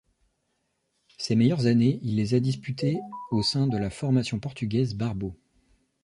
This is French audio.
Ses meilleurs années, il les a disputées au sein de la formation portugaise Barbot.